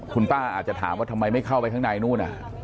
คุณป้าอาจจะถามว่าทำไมไม่เข้าไปข้างในนู่น